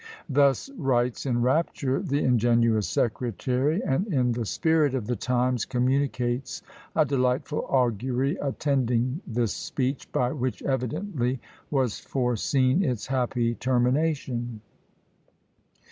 Thus writes, in rapture, the ingenuous secretary; and in the spirit of the times communicates a delightful augury attending this speech, by which evidently was foreseen its happy termination.